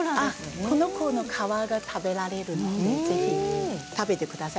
この子は皮を食べられるのでぜひ食べてください。